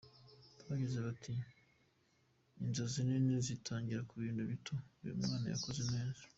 Bagize bati “Inzozi nini zitangirira ku bintu bito… uyu mwana yakoze neza!”.